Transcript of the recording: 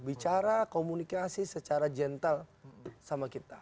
bicara komunikasi secara gentle sama kita